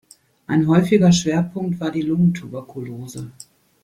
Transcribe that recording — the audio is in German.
Ein häufiger Schwerpunkt war die Lungentuberkulose.